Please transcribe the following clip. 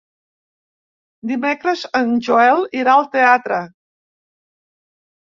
Dimecres en Joel irà al teatre.